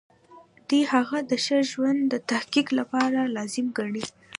دی هغه د ښه ژوند د تحقق لپاره لازم ګڼي.